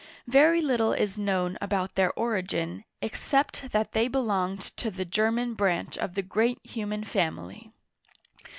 " Very little is known about their origin, ex cept that they belonged to the German branch of the great human family.